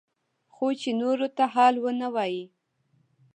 خو چې نورو ته حال ونه وايي.